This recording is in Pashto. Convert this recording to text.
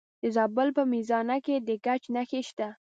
د زابل په میزانه کې د ګچ نښې شته.